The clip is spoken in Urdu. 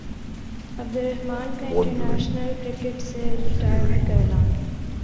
عبدالرحمن کا انٹرنیشنل کرکٹ سے ریٹائرمنٹ کا اعلان